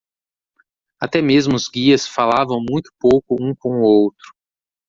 Até mesmo os guias falavam muito pouco um com o outro.